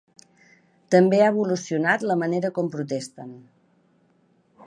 També ha evolucionat la manera com protesten.